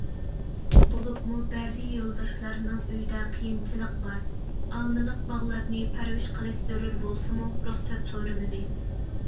بولۇپمۇ بەزى يولداشلارنىڭ ئۆيىدە قىيىنچىلىق بار، ئالمىلىق باغلىرىنى پەرۋىش قىلىش زۆرۈر بولسىمۇ، رۇخسەت سورىمىدى.